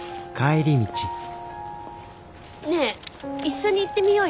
ねえ一緒に行ってみようよ。